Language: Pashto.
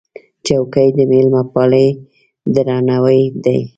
چوکۍ د مېلمهپالۍ درناوی دی.